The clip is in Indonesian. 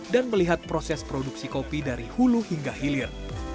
dan melihat proses produksi kopi dari hulu hingga hilir